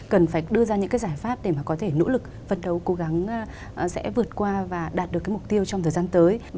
cần phải đưa ra những cái giải pháp để mà có thể nỗ lực vận đấu cố gắng sẽ vượt qua và đạt được cái mục tiêu trong thời gian tới